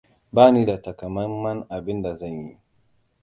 Bani da takamaiman abin da zan yi.